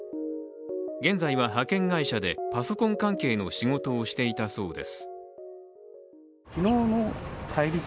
現在は派遣会社でパソコン関係の仕事をしていたそうです。